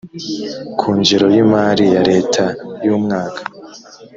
ku ngengo y imari ya leta y umwaka